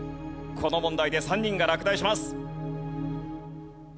この問題で３人が落第します。